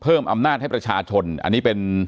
เพิ่มอำนาจให้ประชาชน